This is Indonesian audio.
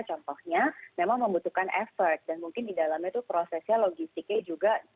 contohnya memang membutuhkan efek dan mungkin di dalamnya itu prosesnya logistiknya juga